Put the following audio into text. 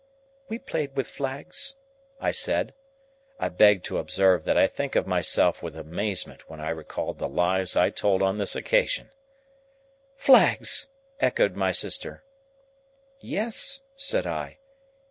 "We played with flags," I said. (I beg to observe that I think of myself with amazement, when I recall the lies I told on this occasion.) "Flags!" echoed my sister. "Yes," said I.